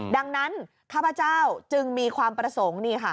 ดังนั้นข้าพเจ้าจึงมีความประสงค์นี่ค่ะ